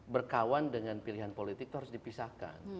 berkawan dengan pilihan politik itu harus dipisahkan